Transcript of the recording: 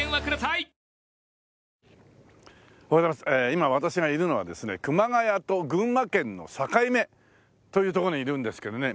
今私がいるのはですね熊谷と群馬県の境目という所にいるんですけどね。